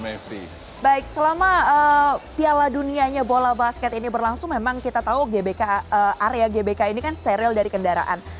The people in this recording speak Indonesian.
baik selama piala dunianya bola basket ini berlangsung memang kita tahu gbk area gbk ini kan steril dari kendaraan